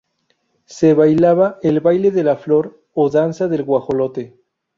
Se bailaba "El baile de la flor" o danza del Guajolote.